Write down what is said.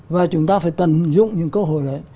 và chúng ta phải tận dụng những cơ hội đấy